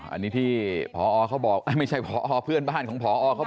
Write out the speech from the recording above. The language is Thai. อันนี้ที่พอเขาบอกไม่ใช่พอเพื่อนบ้านของพอเขาบอก